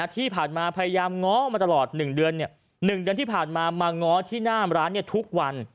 ที่ผ่านมาพยายามง้อมาตลอด๑เดือน๑เดือนที่ผ่านมามาง้อที่หน้าร้านทุกวัน